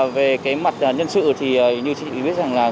về cái mặt nhân sự thì như chị biết rằng là